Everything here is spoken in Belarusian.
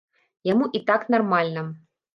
Яму і так нармальна.